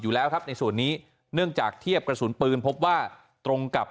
อยู่แล้วครับในส่วนนี้เนื่องจากเทียบกระสุนปืนพบว่าตรงกับ